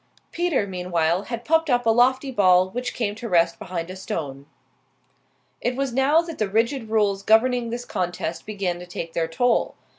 Peter, meanwhile, had popped up a lofty ball which came to rest behind a stone. It was now that the rigid rules governing this contest began to take their toll.